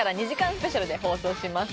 スペシャルで放送します